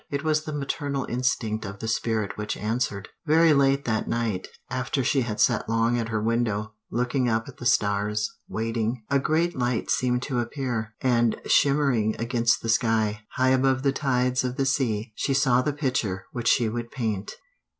It was the maternal instinct of the spirit which answered. Very late that night, after she had sat long at her window, looking up at the stars, waiting, a great light seemed to appear, and shimmering against the sky, high above the tides of the sea, she saw the picture which she would paint.